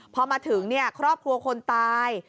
พอมาถึงครอบครัวคนตาย